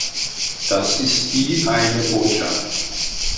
Das ist die eine Botschaft.